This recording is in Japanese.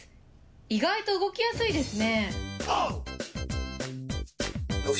意外と動きやすいですね。